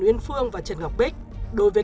uyên phương và trần ngọc bích đối với